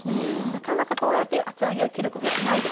なかなかこうやって厚揚げを切ることはないですよね。